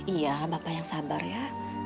iya bapak yang sabar ya